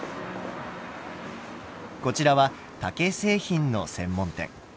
こちらは竹製品の専門店。